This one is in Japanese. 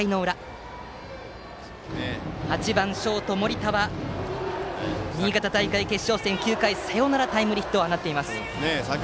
打席の８番ショート、森田は新潟大会の決勝戦９回にサヨナラタイムリーヒットを放っています。